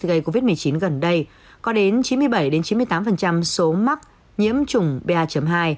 gây covid một mươi chín gần đây có đến chín mươi bảy chín mươi tám số mắc nhiễm trùng ba hai